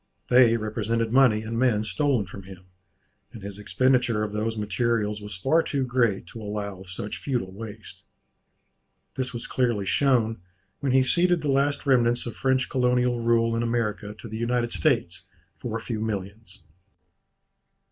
They represented money and men stolen from him; and his expenditure of those materials was far too great to allow of such futile waste. This was clearly shown, when he ceded the last remnants of French colonial rule in America to the United States for a few millions.